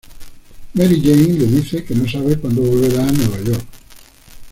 Mary Jane le dice que no sabe cuándo volverá a Nueva York.